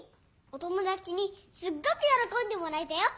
お友だちにすっごくよろこんでもらえたよ！